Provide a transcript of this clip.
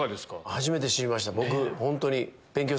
初めて知りました。